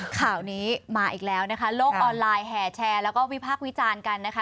ข่าวนี้มาอีกแล้วนะคะโลกออนไลน์แห่แชร์แล้วก็วิพากษ์วิจารณ์กันนะคะ